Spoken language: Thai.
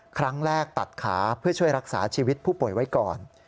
ครั้งแรกตัดขาเพื่อช่วยรักษาชีวิตผู้ป่วยไว้ก่อน